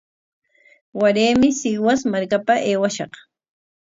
Waraymi Sihus markapa aywashaq.